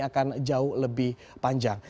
akan jauh lebih panjang